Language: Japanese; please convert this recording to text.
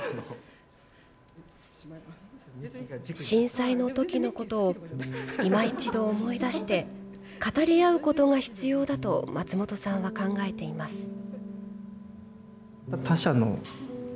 震災のときのことを、いま一度思い出して、語り合うことが必要だと、松本さんは考えています。